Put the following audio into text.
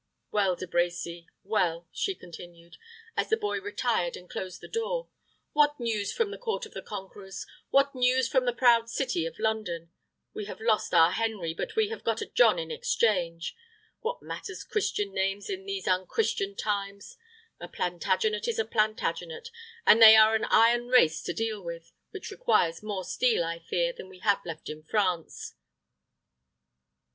Well, De Brecy well," she continued, as the boy retired and closed the door. "What news from the court of the conquerors? What news from the proud city of London? We have lost our Henry; but we have got a John in exchange. What matters Christian names in these unchristian times? A Plantagenet is a Plantagenet; and they are an iron race to deal with, which requires more steel, I fear, than we have left in France."